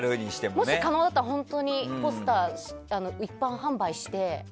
もし可能だったら本当にポスター一般販売して。